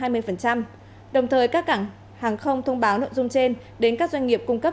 đồng thời các cảng hàng không thông báo nội dung trên đến các doanh nghiệp cung cấp